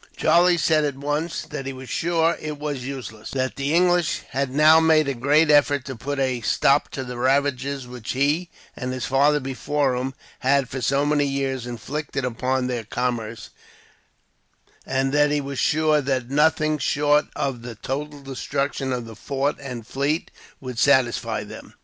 Charlie said at once that he was sure it was useless, that the English had now made a great effort to put a stop to the ravages which he, and his father before him, had for so many years inflicted upon their commerce; and that he was sure that nothing, short of the total destruction of the fort and fleet, would satisfy them.